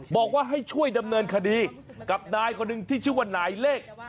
บอกว่าให้ช่วยดำเนินคดีกับนายคนหนึ่งที่ชื่อว่านายเลข